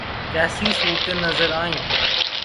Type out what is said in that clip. کیسی صورتیں نظر آئیں؟